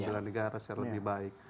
bela negara secara lebih baik